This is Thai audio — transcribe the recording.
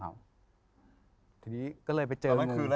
ตะดนกขึ้นแล้วนะ